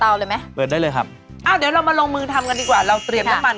แล้วไงต่อค่ะเชฟกระเทียม